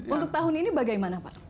untuk tahun ini bagaimana pak